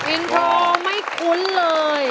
อินโทรไม่คุ้นเลย